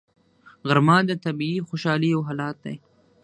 غرمه د طبیعي خوشحالۍ یو حالت دی